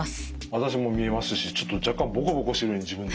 私も見えますしちょっと若干ボコボコしているように自分で。